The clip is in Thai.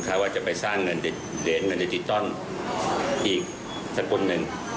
เขาว่าจะไปสร้างเงินเหรียญเงินดิจิตอลอีกสกุลหนึ่ง